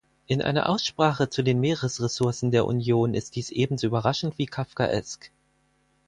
In einer Aussprache zu den Meeresressourcen der Union ist dies ebenso überraschend wie kafkaesk.